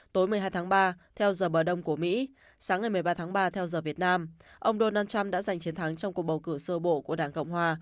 tối một mươi hai tháng ba theo giờ bờ đông của mỹ sáng ngày một mươi ba tháng ba theo giờ việt nam ông donald trump đã giành chiến thắng trong cuộc bầu cử sơ bộ của đảng cộng hòa